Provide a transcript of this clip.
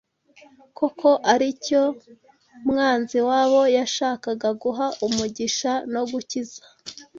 koko ari cyo mwanzi w’abo yashakaga guha umugisha no gukiza.